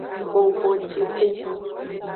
Gbongboncixo.